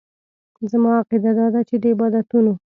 زما عقیده داده چې د عبادتونو.